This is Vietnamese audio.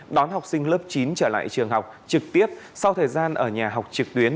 đón học sinh lớp chín trở lại trường học trực tiếp sau thời gian ở nhà học trực tuyến